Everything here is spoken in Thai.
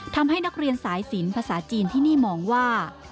ทำให้นักเรียนสายสินภาษาจีนที่นี่มองว่า